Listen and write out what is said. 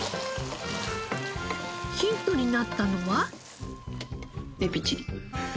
ヒントになったのは？